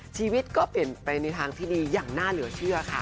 ชีวิตก็เปลี่ยนไปในทางที่ดีอย่างน่าเหลือเชื่อค่ะ